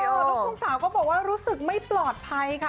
แล้วคุณสาวก็บอกว่ารู้สึกไม่ปลอดภัยค่ะ